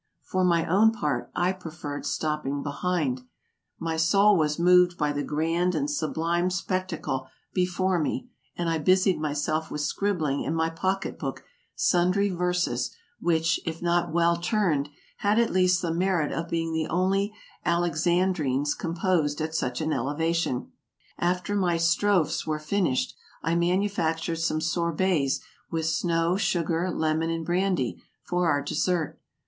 For my own part, I preferred stopping behind; 192 TRAVELERS AND EXPLORERS my soul was moved by the grand and sublime spectacle before me, and I busied myself with scribbling in my pocket book sundry verses, which, if not well turned, had at least the merit of being the only alexandrines composed at such an elevation. After my strophes were finished, I manufac tured some sorbets with snow, sugar, lemon and brandy, for our dessert.